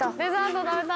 食べたい。